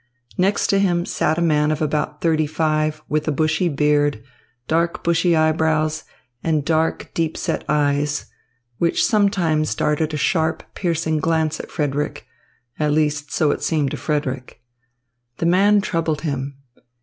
Next to him sat a man of about thirty five, with a bushy beard, dark, bushy eyebrows, and dark, deep set eyes, which sometimes darted a sharp, piercing glance at Frederick at least so it seemed to Frederick. The man troubled him.